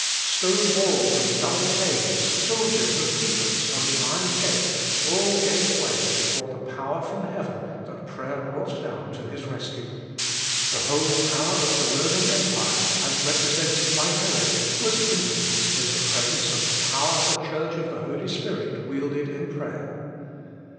Stone walls and double chains, soldiers and keepers, and the iron gate, all gave way before the power from heaven that prayer brought down to his rescue. The whole power of the Roman Empire, as represented by Herod, was impotent in presence of the power the Church of the Holy Spirit wielded in prayer.